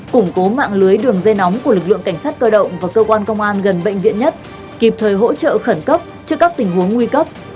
củng cố mạng lưới đường dây nóng của lực lượng cảnh sát cơ động và cơ quan công an gần bệnh viện nhất kịp thời hỗ trợ khẩn cấp trước các tình huống nguy cấp